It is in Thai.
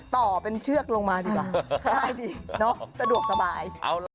ต่อเป็นเชือกลงมาดีกว่าได้ดิสะดวกสบาย